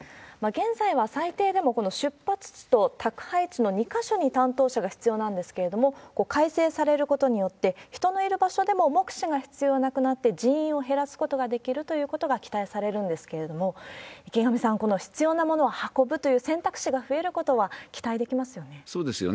現在は最低でもこの出発地と宅配地の２か所に担当者が必要なんですけれども、改正されることによって、人のいる場所でも目視が必要なくなって、人員を減らすことができるということが期待されるんですけれども、池上さん、この必要なものを運ぶという選択肢が増えることは期待できますよ